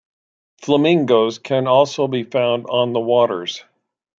Flamingos can also be found on the waters.